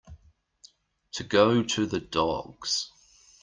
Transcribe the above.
To go to the dogs.